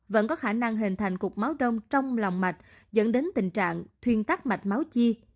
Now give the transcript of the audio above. vẫn có khả năng hình thành cục máu đông trong lòng mạch dẫn đến tình trạng thuyên tắc mạch máu chi